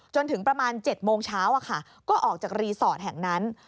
จนถึงประมาณ๗โมงเช้าก็ออกจากรีสอร์ทแห่งนั้น